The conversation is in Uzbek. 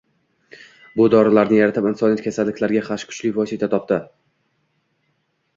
Bu dorilarni yaratib insoniyat kasalliklarga qarshi kuchli vosita topdi